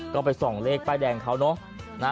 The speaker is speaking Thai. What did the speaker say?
ก็ไปส่องเลขป้ายแดงเขาเนอะ